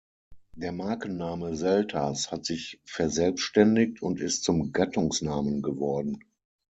Der Markenname „Selters“ hat sich verselbstständigt und ist zum Gattungsnamen geworden.